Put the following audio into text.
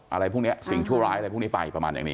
อะไรพวกเนี้ยสิ่งชั่วร้ายอะไรพวกเนี้ยไป